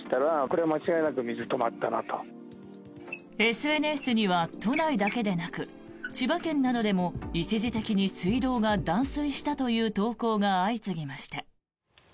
ＳＮＳには都内だけでなく、千葉県などでも一時的に水道が断水したという投稿が相次ぎました。